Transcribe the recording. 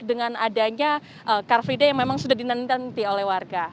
dengan adanya car free day yang memang sudah dinanti oleh warga